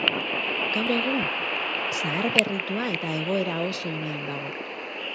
Gaur egun zaharberritua eta egoera oso onean dago.